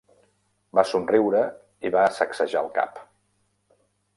Va somriure i va sacsejar el cap.